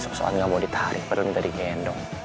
soal soal gak mau ditarik padahal gak digendong